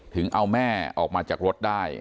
ถึงเอาแม่ออกมาจากรถได้